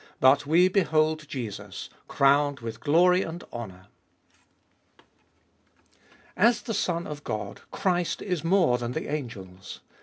But we behold Jesus crowned with glory and honour. As the Son of God Christ is more than the angels.